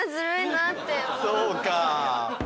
そうか。